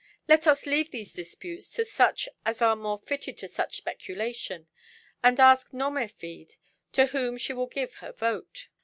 Let us leave these disputes to such as are more fitted for such speculation, and ask Nomerfide to whom she will give her vote."